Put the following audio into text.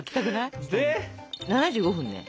７５分ね